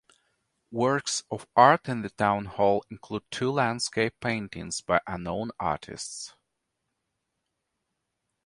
Works of art in the town hall include two landscape paintings by unknown artists.